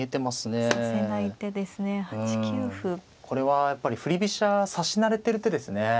これはやっぱり振り飛車指し慣れてる手ですね。